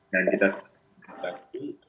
dan kita akan menghormati